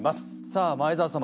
さあ前澤様